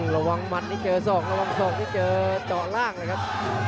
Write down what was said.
ระวังมันนี่เจอส่องระวังส่องนี่เจอเจาะล่างนะครับ